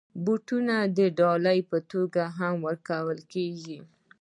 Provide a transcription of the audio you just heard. بوټونه د ډالۍ په توګه هم ورکول کېږي.